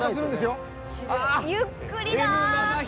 ゆっくりだ。